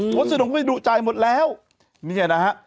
ส่วนสื่อของมันดุจ่ายหมดแล้วเนี่ยนะฮะ